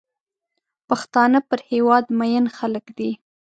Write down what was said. پښتانه پر هېواد مین خلک دي.